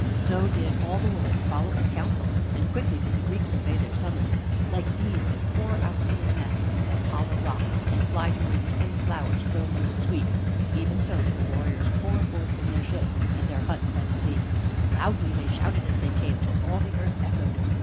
So did all the lords follow his counsel, and quickly did the Greeks obey their summons. Like bees that pour from out their nests in some hollow rock, and fly to where the spring flowers grow most sweet, even so did the warriors pour forth from their ships and their huts by the sea. Loudly they shouted as they came, till all the earth echoed.